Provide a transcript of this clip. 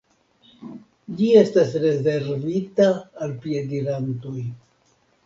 Ĝi estas rezervita al piedirantoj.